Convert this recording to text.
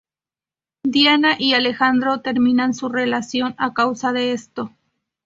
Diana y Alejandro terminan su relación a causa de esto.